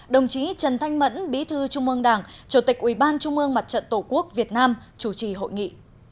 đồng chí trần thanh mẫn bí thư trung ương đảng chủ tịch ủy ban trung ương mặt trận tổ quốc việt nam chủ trì hội nghị